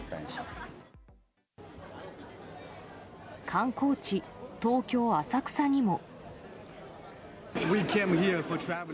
観光地、東京・浅草にも。